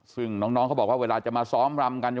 ซึ่งน้องเขาบอกว่าเวลาจะมาซ้อมรำกัน